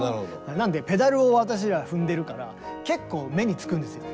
なんでペダルを私ら踏んでるから結構目につくんですよね。